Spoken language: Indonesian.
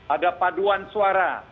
ada paduan suara